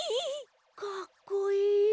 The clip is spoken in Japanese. かっこいい。